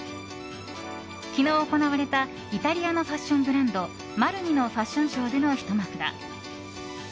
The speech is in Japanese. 昨日行われたイタリアのファッションブランドマルニのファッションショーでのひと幕だ。